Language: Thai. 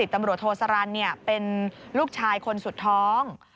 ตำรวจโทสรรเป็นลูกชายคนสุดท้อง